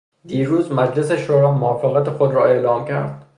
دیروز مجلس شورا موافقت خود را اعلام کرد.